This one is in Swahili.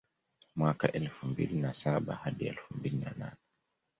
Mwaka elfu mbili na saba hadi elfu mbili na nane